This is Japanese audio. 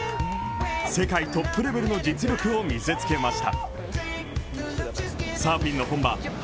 世界トップレベルの実力を見せつけました。